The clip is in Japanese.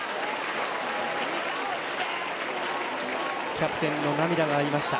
キャプテンの涙もありました。